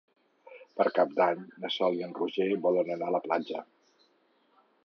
Per Cap d'Any na Sol i en Roger volen anar a la platja.